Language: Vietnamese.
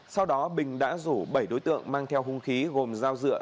sau đó bình đã rủ bảy đối tượng mang theo hung khí gồm dao dựa